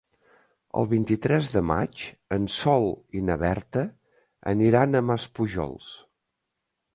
El vint-i-tres de maig en Sol i na Berta aniran a Maspujols.